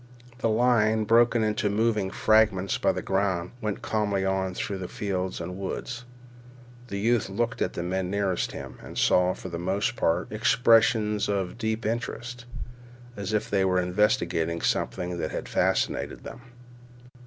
The line, broken into moving fragments by the ground, went calmly on through fields and woods. The youth looked at the men nearest him, and saw, for the most part, expressions of deep interest, as if they were investigating something that had fascinated them.